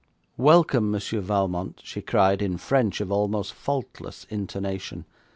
'Welcome, Monsieur Valmont,' she cried, in French of almost faultless intonation.